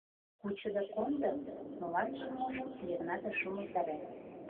— Кучо да кондо! — моланжым-можым Йыгнат ыш умылтаре.